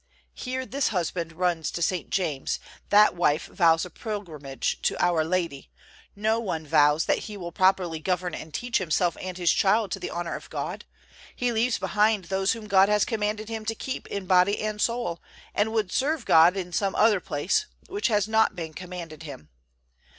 Here this husband runs to St. James, that wife vows a pilgrimage to Our Lady; no one vows that he will properly govern and teach himself and his child to the honor of God; he leaves behind those whom God has commanded him to keep in body and soul, and would serve God in some other place, which has not been commanded him.